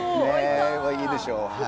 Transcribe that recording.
いいでしょ？